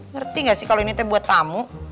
ngerti gak sih kalo ini buat tamu